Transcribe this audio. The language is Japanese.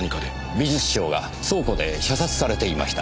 美術商が倉庫で射殺されていました。